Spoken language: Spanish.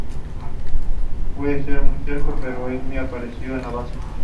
Su tarea fue reconocida pronto, y otros jóvenes quisieron adherirse.